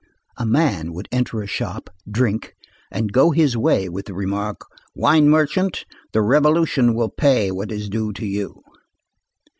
A man would enter a shop, drink, and go his way with the remark: "Wine merchant, the revolution will pay what is due to you."